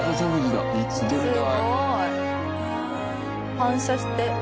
反射して。